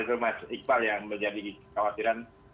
itu mas iqbal yang menjadi kekhawatiran